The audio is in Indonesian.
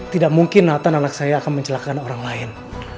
tidak mungkin nathan anak saya akan mencelakkan orang lain